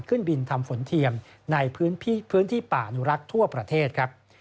ขึ้นบินทำฝนเทียมในพื้นที่ป่านุรักษ์ทั่วประเทศครับ